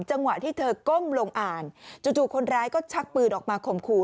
จังหวะที่เธอก้มลงอ่านจู่คนร้ายก็ชักปืนออกมาข่มขู่